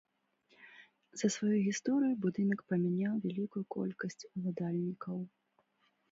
За сваю гісторыю будынак памяняў вялікую колькасць уладальнікаў.